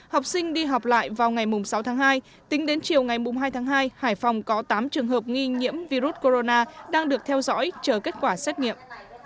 học sinh đi học lại vào ngày sáu tháng hai tính đến chiều ngày hai tháng hai hải phòng có tám trường hợp nghi nhiễm virus corona đang được theo dõi chờ kết quả xét nghiệm